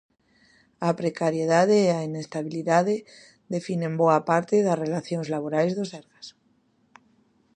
A precariedade e a inestabilidade definen boa parte das relacións laborais do Sergas.